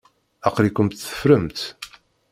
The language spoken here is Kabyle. Aql-ikent teffremt.